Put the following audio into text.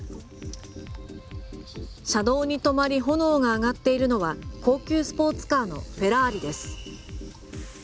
車道に止まり炎が上がっているのは高級スポーツカーのフェラーリです。